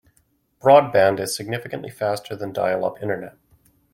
Broadband is significantly faster than dial-up internet.